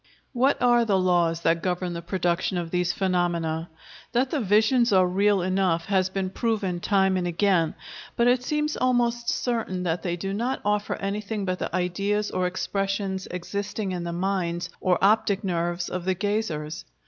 What are the laws that govern the production of these phenomena? That the "visions" are real enough has been proven time and again, but it seems almost certain that they do not offer anything but the ideas or impressions existing in the minds or optic nerves of the gazers.